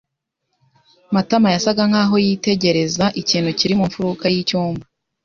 Matama yasaga nkaho yitegereza ikintu kiri mu mfuruka yicyumba.